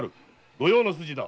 御用の筋だ。